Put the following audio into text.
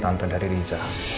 dari tante dari riza